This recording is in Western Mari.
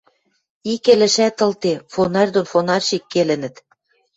ик ӹлӹшӓт ылде, фонарь дон фонарщик келӹнӹт